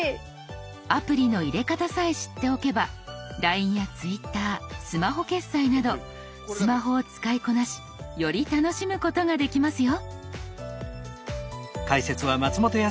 アプリの入れ方さえ知っておけばＬＩＮＥやＴｗｉｔｔｅｒスマホ決済などスマホを使いこなしより楽しむことができますよ。